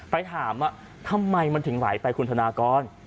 ไปถามว่าทำไมมันถึงไหลไปคุณธนากร